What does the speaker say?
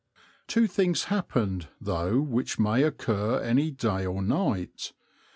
Two things happened, though, which may occur any day or night.